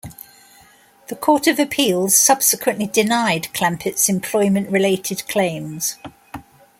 The Court of Appeals subsequently denied Clampitt's employment-related claims.